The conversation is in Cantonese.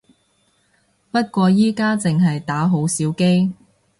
不過而家淨係打好少機